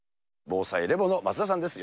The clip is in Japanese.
防災レボの松田さんです。